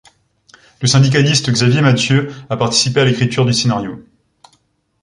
Le syndicaliste Xavier Mathieu a participé à l'écriture du scénario.